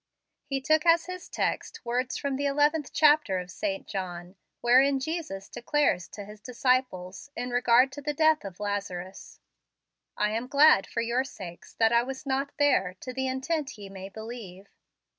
He took as his text words from the eleventh chapter of St. John, wherein Jesus declares to his disciples, in regard to the death of Lazarus, "I am glad, for your sakes, that I was not there, to the intent ye may believe."